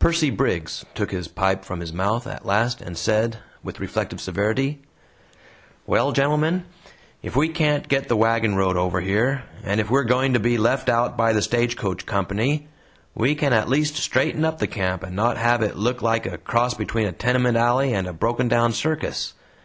Percy Briggs took his pipe from his mouth at last and said, with reflective severity: "Well, gentlemen, if we can't get the wagon road over here, and if we're going to be left out by the stagecoach company, we can at least straighten up the camp, and not have it look like a cross between a tenement alley and a broken down circus.